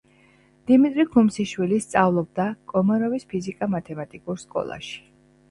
დიმიტრი ქუმსიშვილი სწავლობდა კომაროვის ფიზიკა-მათემატიკურ სკოლაში.